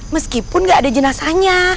meskipun gak ada jenasanya